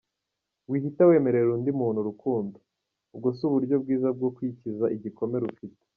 Wihita wemerera undi muntu urukundo : Ubwo si uburyo bwiza bwo kwikiza igikomere ufite.